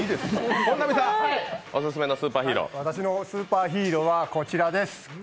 私のスーパーヒーローはこちらです。